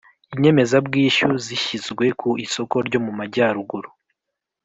Inyemezabwishyu Zishyizwe Ku Isoko Ryo Mumajyaruguru